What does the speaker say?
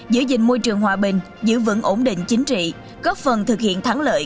giữ gìn môi trường hòa bình giữ vững ổn định chính trị góp phần thực hiện thắng lợi